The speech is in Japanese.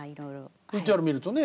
ＶＴＲ見るとね